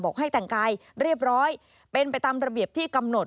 ให้แต่งกายเรียบร้อยเป็นไปตามระเบียบที่กำหนด